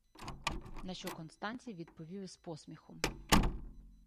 На що Констанцій відповів із посміхом: